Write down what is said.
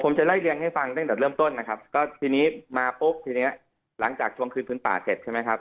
ผมจะไล่เรียงให้ฟังตั้งแต่เริ่มต้นนะครับก็ทีนี้มาปุ๊บทีเนี้ยหลังจากทวงคืนพื้นป่าเสร็จใช่ไหมครับ